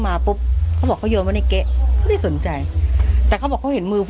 ตอบรับทันที่รักษาไทก็ได้เลยตาให้ผู้ให้มักพาเฮาะค่ะ